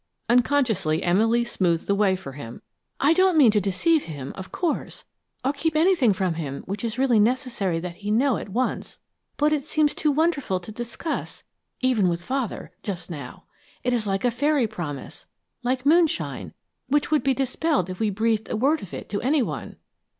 Unconsciously Emily smoothed the way for him. "I don't mean to deceive him, of course, or keep anything from him which it is really necessary that he know at once, but it seems too wonderful to discuss, even with Father, just now. It is like a fairy promise, like moonshine, which would be dispelled if we breathed a word of it to anyone."